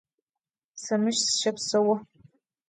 Se mış sışepseu.